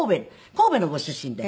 神戸のご出身で。